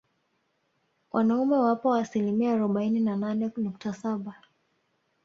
Wanaume wapo asilimia arobaini na nane nukta saba